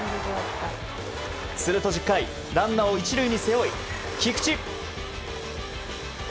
すると１０回ランナーを１塁に背負い菊池。